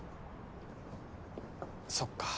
そっか。